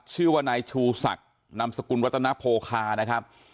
ชื่อว่านายชูศักดิ์นามสกุลวัตนโพคานะครับ